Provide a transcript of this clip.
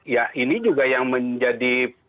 ya ini juga yang menjadi